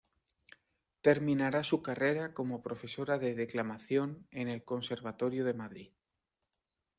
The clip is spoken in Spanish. Terminará su carrera como profesora de declamación en el Conservatorio de Madrid.